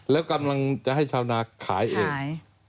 แล้วกำลังจะให้ชาวนาขายเองขาย